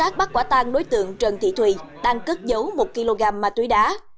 đã tăng đối tượng trần thị thùy tăng cất dấu một kg ma túy đá